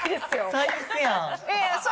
最悪やん！